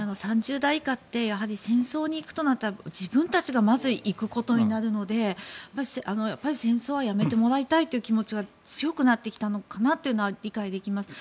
３０代以下って戦争に行くとなったら自分たちがまず行くことになるので戦争はやめてもらいたいという気持ちは強くなってきたのかなというのは理解できます。